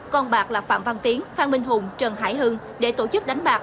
con bạc là phạm văn tiến phan minh hùng trần hải hưng để tổ chức đánh bạc